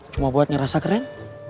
cuma buat ngerasa keren